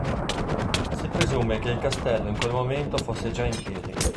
Si presume che il castello in quel momento fosse già in piedi.